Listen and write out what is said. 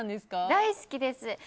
大好きです。